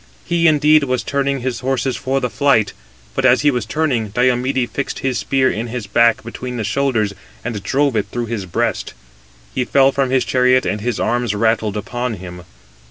He, indeed, was turning his horses for flight; but as he was turning, Diomede fixed his spear in his back, between his shoulders, and drove it through his breast. He fell from his chariot, and his arms rattled upon him.